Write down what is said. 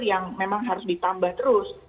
yang memang harus ditambah terus